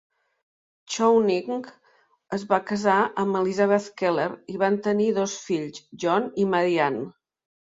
Chowning es va casar amb Elisabeth Keller i van tenir dos fills, John i Marianne.